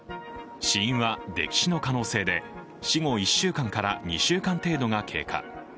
死因は、溺死の可能性で、死後１週間から２週間程度が経過。